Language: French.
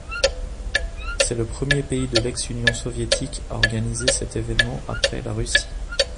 C'est le premier pays de l'ex-Union soviétique à organiser cet événement après la Russie.